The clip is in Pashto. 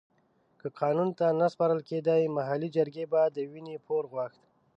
که قانون ته نه سپارل کېده محلي جرګې به د وينې پور غوښت.